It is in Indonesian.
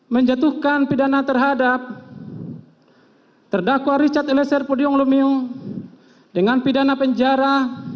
menjatuhkan pidana terhadap terdakwa richard eliezer pudium lumiu dengan pidana penjara